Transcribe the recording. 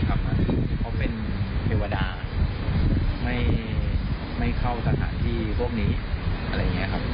ไม่ทำอ่ะเขาเป็นเฮวดาไม่เข้าสถานที่พวกนี้อะไรอย่างเงี้ยครับ